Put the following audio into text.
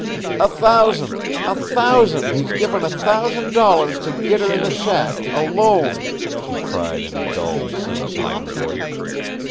"A thousand a thousand he's givin' a thousand dollars to git her in the shack alone," she cried in a dull, sing song voice.